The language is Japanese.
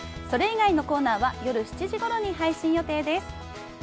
それ以外のコーナーは夜７時ごろに配信予定です。